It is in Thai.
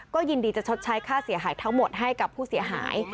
ก็ยินดีจะชดใช้ค่าเสียหายทั้งหมดให้กับผู้เสียหาย